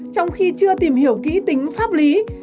trong khi chưa tìm hiểu kỹ tính pháp lý